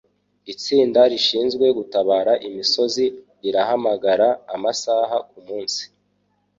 Itsinda rishinzwe gutabara imisozi rirahamagara amasaha kumunsi.